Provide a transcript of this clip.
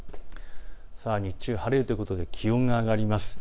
日中、晴れるということで気温が上がります。